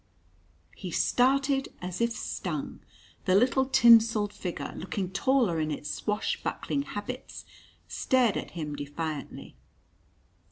He started as if stung. The little tinselled figure, looking taller in its swashbuckling habits, stared at him defiantly.